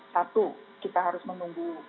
satu kita harus menunggu